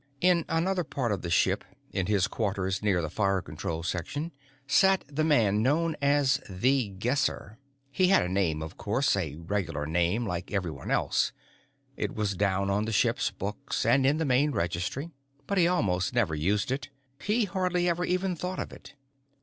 In another part of the ship, in his quarters near the Fire Control Section, sat the man known as The Guesser. He had a name, of course, a regular name, like everyone else; it was down on the ship's books and in the Main Registry. But he almost never used it; he hardly ever even thought of it.